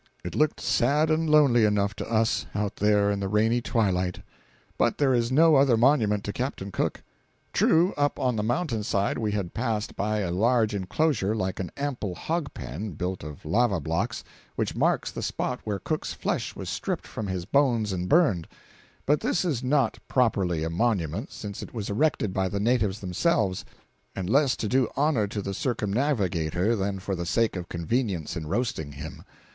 It looked sad and lonely enough to us, out there in the rainy twilight. But there is no other monument to Captain Cook. True, up on the mountain side we had passed by a large inclosure like an ample hog pen, built of lava blocks, which marks the spot where Cook's flesh was stripped from his bones and burned; but this is not properly a monument since it was erected by the natives themselves, and less to do honor to the circumnavigator than for the sake of convenience in roasting him.